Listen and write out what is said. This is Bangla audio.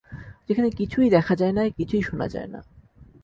যেখানে কিছুই দেখা যায় না কিছুই শোনা যায় না।